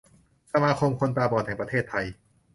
สมาคมคนตาบอดแห่งประเทศไทย